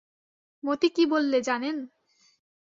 মতি কী বললে জানেন?